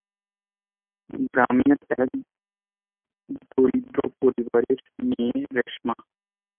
গ্রামের এক দরিদ্র পরিবারের মেয়ে রেশমা।